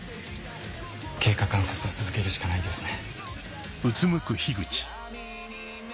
経過観察を続けるしかないですね。